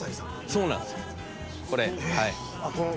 そうなんですよ。